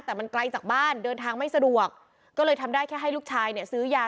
แต่มันไกลจากบ้านเดินทางไม่สะดวกก็เลยทำได้แค่ให้ลูกชายเนี่ยซื้อยา